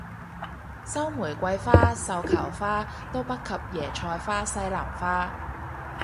收玫瑰花繡球花都不及椰菜花西蘭花